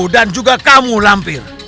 dan juga kamu lampir